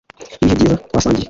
ibihe byiza twasangiye,